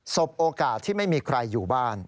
บโอกาสที่ไม่มีใครอยู่บ้าน